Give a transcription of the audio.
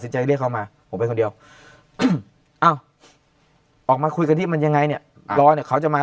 สินใจเรียกเขามาออกมาคุยกันที่มันยังไงเนี่ยเขาจะมา